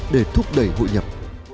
để thúc đẩy hội nhập